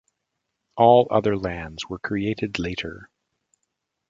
All other lands were created later.